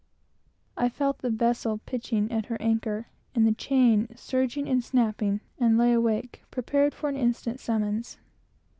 I felt the vessel pitching at her anchor, and the chain surging and snapping, and lay awake, expecting an instant summons.